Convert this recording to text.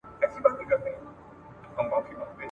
چي له مُغانه مي وروستی جام لا منلی نه دی ..